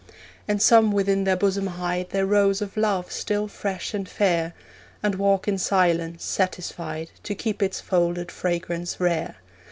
And some within their bosom hide Their rose of love still fresh and fair, And walk in silence, satisfied To keep its folded fragrance rare.